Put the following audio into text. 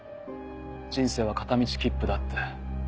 人生は片道切符だって。